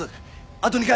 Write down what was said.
あと２回！